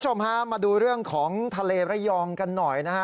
คุณผู้ชมฮะมาดูเรื่องของทะเลระยองกันหน่อยนะฮะ